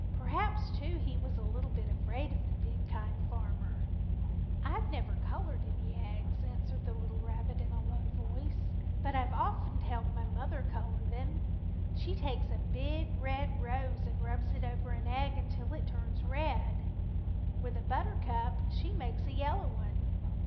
Perhaps, too, he was a little bit afraid of the big Kind Farmer. "I never colored any eggs," answered the little rabbit in a low voice, "but I've often helped mother color them. She takes a big red rose and rubs it over an egg until it turns red. With a buttercup she makes a yellow one.